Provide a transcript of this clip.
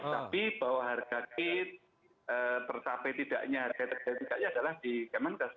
tapi bahwa harga kit tercapai tidaknya harga tercapai tidaknya adalah di kementerian kesehatan